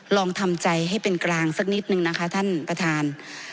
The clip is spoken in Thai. ลองทำใจให้เป็นกลางสักนิดนึงนะคะท่านประธาน